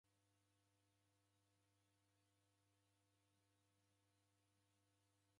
Ofunya ndoe ya duhu iaghilo ikanisa.